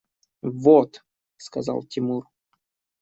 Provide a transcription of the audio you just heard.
– Вот! – сказал Тимур.